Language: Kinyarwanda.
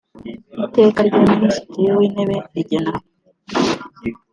iteka rya minisitiri w intebe rigena